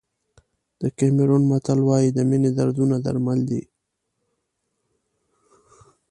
د کیمرون متل وایي د مینې دردونه درمل دي.